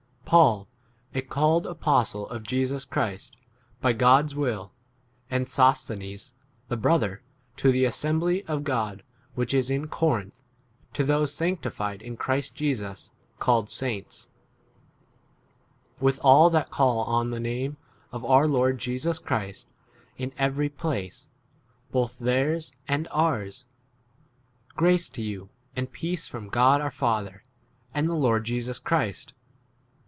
'PAUL, [a] called apostle of Jesus Christ, by God's will, and Sosthe 2 nes the brother, to the assembly of God which is in Corinth, to [those] sanctified in Christ Jesus, called saints, w with all that call on the name of our Lord Jesus Christ in every place, both theirs and 3 ours. Grace to you and peace from God our Father, and [the] Lord Jesus Christ.